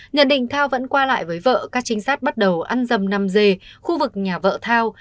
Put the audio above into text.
nhận định thao vẫn qua lại với vợ các trinh sát bắt đầu ăn dầm nằm dề khu vực nhà vợ thao